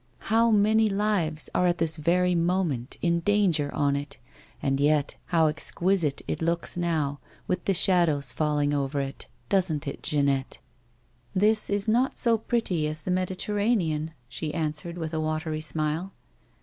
" How many lives are at this very moment in danger on it, and yet how exquisite it looks now, with the shadows falling over it ? Doesn't it, Jeannette ?"" This is not so pretty as the Mediterranean," she answered with a watery smile.